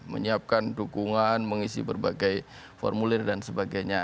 menyiapkan dukungan mengisi berbagai formulir dan sebagainya